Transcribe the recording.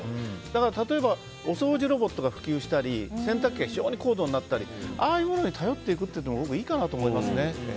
だから例えばお掃除ロボットが普及したり洗濯機が非常に高度になったりああいうものに頼っていくというのも僕はいいかなと思いますね。